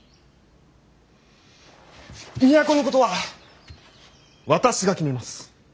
都のことは私が決めます。